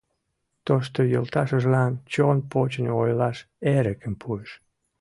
Тошто йолташыжлан чон почын ойлаш эрыкым пуыш.